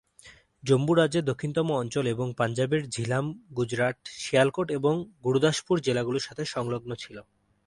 জম্মু রাজ্যের দক্ষিণতম অঞ্চল এবং পাঞ্জাবের ঝিলাম গুজরাট, শিয়ালকোট এবং গুরুদাসপুর জেলাগুলির সাথে সংলগ্ন ছিল।